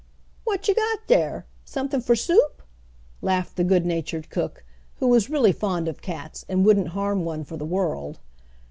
"What you got dar? Somethin' fer soup?" laughed the good natured cook, who was really fond of cats and wouldn't harm one for the world.